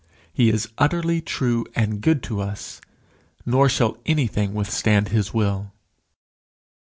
He is utterly true and good to us, nor shall anything withstand his will.